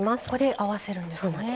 ここで合わせるんですね。